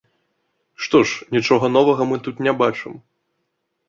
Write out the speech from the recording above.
Што ж, нічога новага тут мы не бачым.